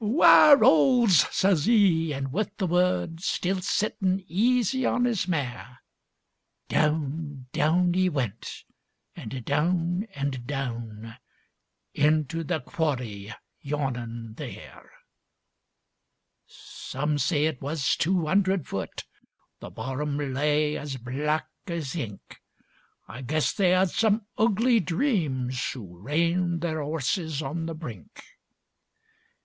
''Ware 'oles!' says 'e, an' with the word, Still sittin' easy on his mare, Down, down 'e went, an' down an' down, Into the quarry yawnin' there. Some say it was two 'undred foot; The bottom lay as black as ink. I guess they 'ad some ugly dreams, Who reined their 'orses on the brink.